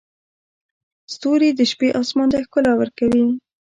ستوري د شپې اسمان ته ښکلا ورکوي.